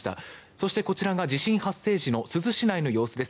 そしてこちらは地震発生時の珠洲市内の様子です。